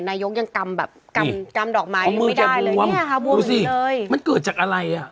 นายกยังกำแบบกำกำดอกไม้ยังไม่ได้เลยเนี่ยค่ะดูสิมันเกิดจากอะไรอ่ะ